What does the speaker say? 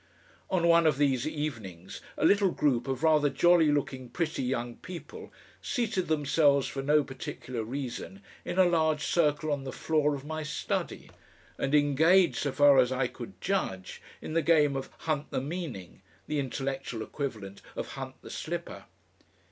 On one of these evenings a little group of rather jolly looking pretty young people seated themselves for no particular reason in a large circle on the floor of my study, and engaged, so far as I could judge, in the game of Hunt the Meaning, the intellectual equivalent of Hunt the Slipper.